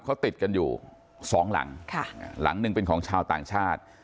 เขาติดกันอยู่สองหลังหลังหนึ่งเป็นของชาวต่างชาติ